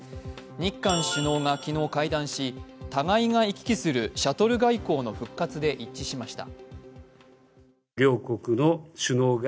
日韓首脳が昨日会談し、互いが行き来するシャトル外交の復活で一致しました。